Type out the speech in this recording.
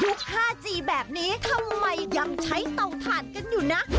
๕จีแบบนี้ทำไมยังใช้เตาถ่านกันอยู่นะ